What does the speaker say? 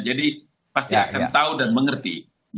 jadi pasti akan tahu dan mengerti